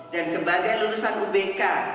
dan sebagai lulusan ubk